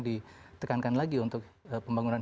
ditekankan lagi untuk pembangunan